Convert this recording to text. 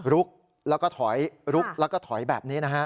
ลุกแล้วก็ถอยลุกแล้วก็ถอยแบบนี้นะฮะ